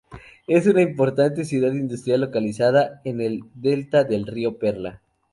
Es una importante ciudad industrial localizada en el delta del río Perla.